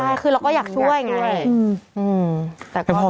ใช่เราก็อยากช่วยอย่างนั้น